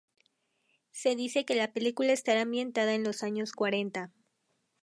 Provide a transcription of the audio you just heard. Se dice que la película estará ambientada en los años cuarenta.